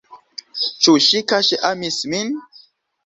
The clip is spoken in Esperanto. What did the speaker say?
Ĉu ŝi kaŝe amis min?